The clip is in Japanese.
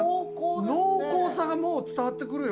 濃厚さがもう伝わってくるよ。